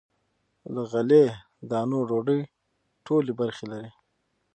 له غلې- دانو ډوډۍ ټولې برخې لري.